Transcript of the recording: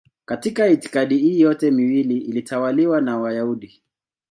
Katika itikadi hii yote miwili ilitawaliwa na Wayahudi.